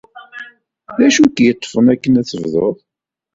D acu i k-yeṭṭfen akken ad tebduḍ?